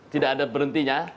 tidak ada berhentinya